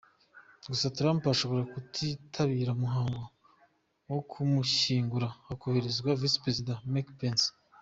Gusa Trump ashobora kutitabira umuhango wo kumushyingura, hakoherezwa Visi Perezida, Mike Pence.